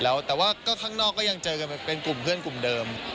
แล้วแต่ว่าก็ข้างนอกก็ยังเจอกันเป็นกลุ่มเพื่อนกลุ่มเดิม